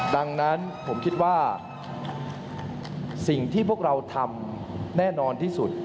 ดังนั้นผมคิดว่าสิ่งที่พวกเราทำแน่นอนที่สุด